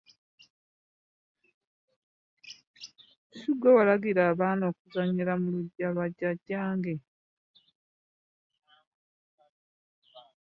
Ssigwe walagira obaana okuzannyira mu lujja lwa jjajjange!